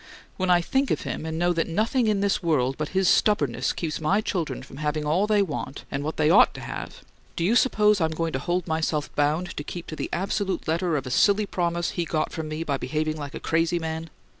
"When I think of him and know that nothing in the world but his STUBBORNNESS keeps my children from having all they want and what they OUGHT to have, do you suppose I'm going to hold myself bound to keep to the absolute letter of a silly promise he got from me by behaving like a crazy man?